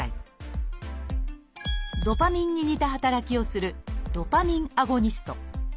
ドパミンに似た働きをする「ドパミンアゴニスト」。